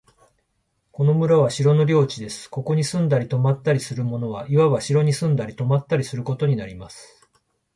この村は城の領地です。ここに住んだり泊ったりする者は、いわば城に住んだり泊ったりすることになります。